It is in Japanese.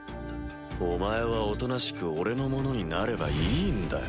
お前はおとなしく俺のものになればいいんだよ。